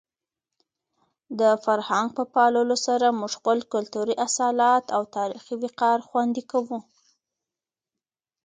د فرهنګ په پاللو سره موږ خپل کلتوري اصالت او تاریخي وقار خوندي کوو.